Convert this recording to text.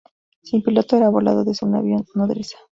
Sin piloto, era volado desde un avión "nodriza".